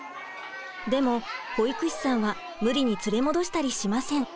でも保育士さんは無理に連れ戻したりしません。